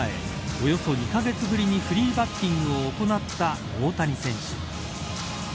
およそ２カ月ぶりにフリーバッティングを行った大谷選手。